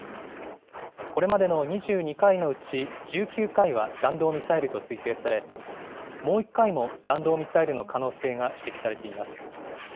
これまでの２２回のうち、１９回は弾道ミサイルと推定され、もう１回も弾道ミサイルの可能性が指摘されています。